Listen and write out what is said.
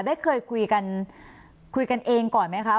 ได้เคยคุยกันคุยกันเองก่อนไหมคะ